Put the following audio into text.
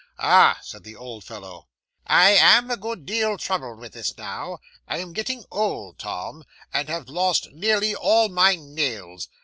'"Ah!" said the old fellow, "I am a good deal troubled with this now. I am getting old, Tom, and have lost nearly all my nails.